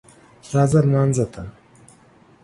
راځه لمانځه ته